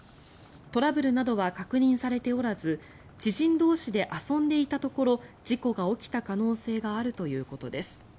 トラブルなどは確認されておらず知人同士で遊んでいたところ事故が起きた可能性があるということです。